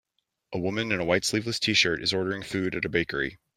A woman in a white sleeveless tshirt is ordering food at a bakery.